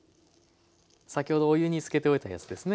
先ほどお湯につけておいたやつですね。